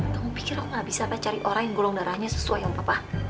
kamu pikir aku gak bisa pacari orang yang golong darahnya sesuai yang bapak